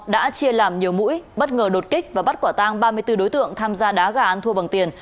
đã chia làm nhiều mũi bất ngờ đột kích và bắt quả tang ba mươi bốn đối tượng tham gia đá gà ăn thua bằng tiền